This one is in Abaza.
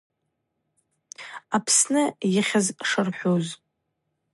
Апсы йыхьыз шырхӏвуз.